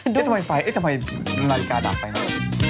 เดี๋ยวก็กลับมา